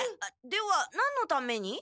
では何のために？